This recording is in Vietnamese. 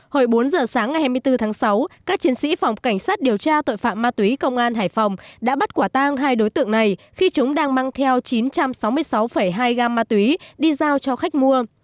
hồi bốn giờ sáng ngày hai mươi bốn tháng sáu các chiến sĩ phòng cảnh sát điều tra tội phạm ma túy công an hải phòng đã bắt quả tang hai đối tượng này khi chúng đang mang theo chín trăm sáu mươi sáu hai gam ma túy đi giao cho khách mua